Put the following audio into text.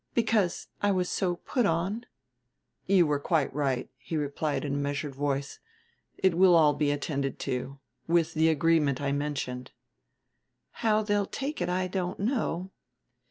because I was so put on?" "You were quite right," he replied in a measured voice; "it will all be attended to. With the agreement I mentioned." "How they'll take it I don't know."